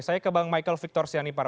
saya ke bang michael victor sianipar